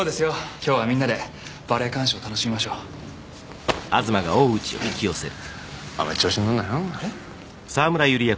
今日はみんなでバレエ鑑賞を楽しみましょうあんまり調子に乗んなよえっ？